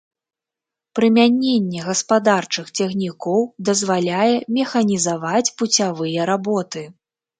Прымяненне гаспадарчых цягнікоў дазваляе механізаваць пуцявыя работы.